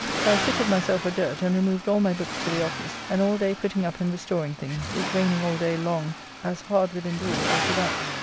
So I fitted myself for dirt, and removed all my books to the office and all day putting up and restoring things, it raining all day long as hard within doors as without.